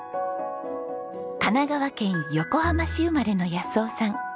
神奈川県横浜市生まれの夫さん。